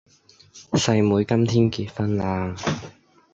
細妹今日結婚啦！